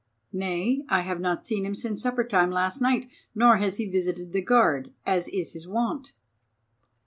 "Nay, I have not seen him since supper time last night, nor has he visited the guard as is his wont."